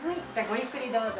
ゆっくりどうぞ。